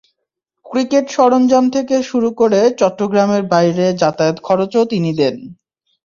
Cricket সরঞ্জাম থেকে শুরু করে চট্টগ্রামের বাইরে যাতায়াতের খরচও তিনি দেন।